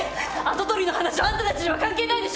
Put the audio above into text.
跡取りの話あんたたちには関係ないでしょ！